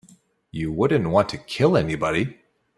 You wouldn't want to kill anybody.